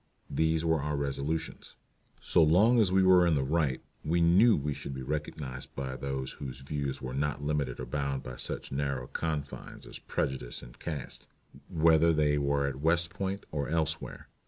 These were our resolutions. So long as we were in the right we knew we should be recognized by those whose views were not limited or bound by such narrow confines as prejudice and caste, whether they were at West Point or elsewhere.